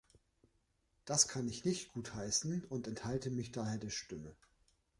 Das kann ich nicht gutheißen und enthalte mich daher der Stimme.